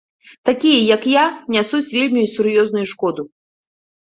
Такія, як я, нясуць вельмі сур'ёзную шкоду.